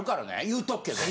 言うとくけど。